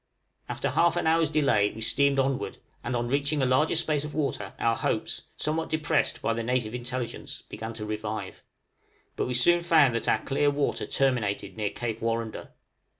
After half an hour's delay we steamed onward, and on reaching a larger space of water our hopes (somewhat depressed by the native intelligence) began to revive. But we soon found that our clear water terminated near Cape Warrender.